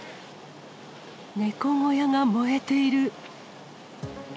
猫小屋が燃えている。